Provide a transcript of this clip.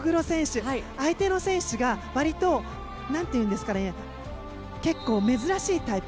相手の選手がわりと結構珍しいタイプ。